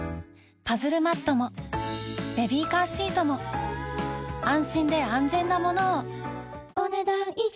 パズルマットもベビーカーシートも安心で安全なものをお、ねだん以上。